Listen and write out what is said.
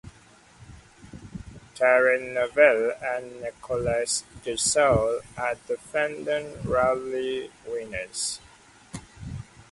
Thierry Neuville and Nicolas Gilsoul are the defending rally winners.